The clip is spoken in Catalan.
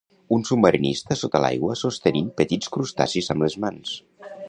Un submarinista sota l'aigua sostenint petits crustacis amb les mans.